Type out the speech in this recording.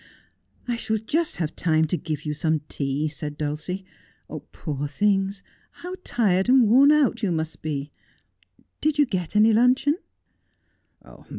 ' I shall just have time to give you some tea,' said Dulcie. ' Poor things, how tired and worn out you must be ! Did you get any luncheon